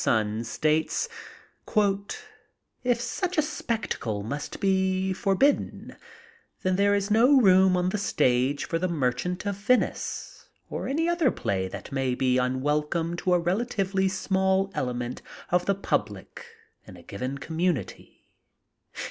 Sun states: •*If such a spectacle must be forbidden, then there is no room on the stage for •The Merchant of Venice' or any other play that may be unwelcome to a rela tively small element of the public in a given com munity.